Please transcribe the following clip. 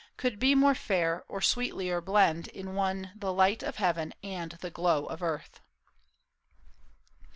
Could be more fair, or sweetlier blend in one The light of heaven and the glow of earth.